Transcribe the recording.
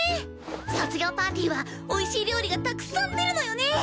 卒業パーティーはおいしい料理がたくさん出るのよね！